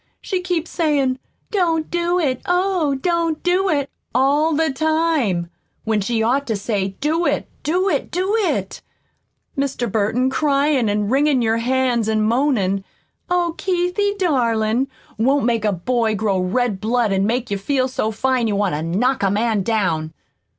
She keeps sayin', 'Don't do it, oh, don't do it,' all the time, when she ought to say, 'Do it, do it, do it!' Mr. Burton, cryin' an' wringin' your hands an' moanin', 'Oh, Keithie, darling!' won't make a boy grow red blood an' make you feel so fine you want to knock a man down!